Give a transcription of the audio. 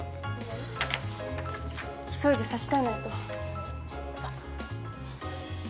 急いで差し替えないと。